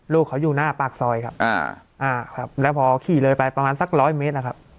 ลูกเขาอยู่หน้าปากซอยครับแล้วพอขี่เลยไปประมาณสักร้อยเมตรนะครับ